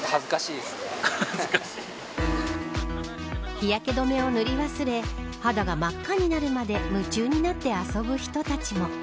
日焼け止めを塗り忘れ肌が真っ赤になるまで夢中になって遊ぶ人たちも。